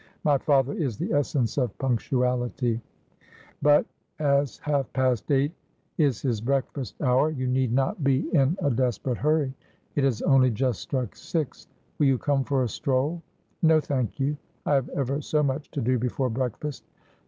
My father is the essence of punctuality.' ' But as half past eight is his breakfast hour you need not ' And Spending Silver had He right Ynow.' Ill be in a desperate hurry. It has only just struck six. Will you come for a stroll ?' 'No, thank you. I have ever so much to do before break fast.'